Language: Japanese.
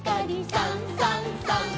「さんさんさん」